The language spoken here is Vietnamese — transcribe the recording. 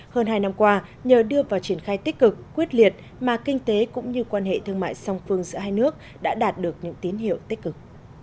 hơn hai năm qua nhờ đưa vào triển khai tích cực quyết liệt mà kinh tế cũng như quan hệ thương mại song phương giữa hai nước đã đạt được những tín hiệu tích cực